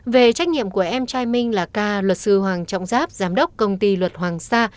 về trách nhiệm của em trai minh là k luật sư hoàng trọng giáp giám đốc công ty luật hoàng sa